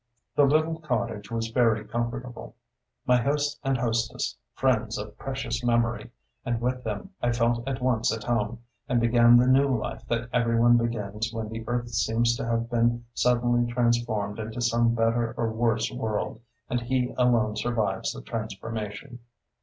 The little cottage was very comfortable, my host and hostess friends of precious memory; and with them I felt at once at home, and began the new life that every one begins when the earth seems to have been suddenly transformed into some better or worse world, and he alone survives the transformation.